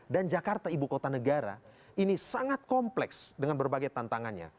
dan jakarta ibu kota negara ini sangat kompleks dengan berbagai tantangannya